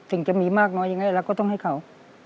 สิ่งจะมีมากน้อยยังไงเราก็ต้องให้เขา